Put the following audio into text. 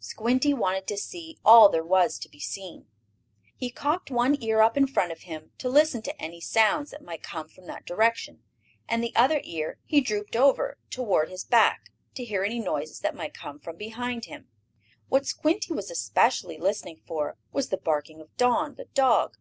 Squinty wanted to see all there was to be seen. He cocked one ear up in front of him, to listen to any sounds that might come from that direction, and the other ear he drooped over toward his back, to hear any noises that might come from behind him. What Squinty was especially listening for was the barking of Don, the dog.